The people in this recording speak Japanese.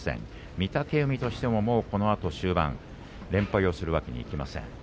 御嶽海も、このあと終盤連敗をするわけにはいきません。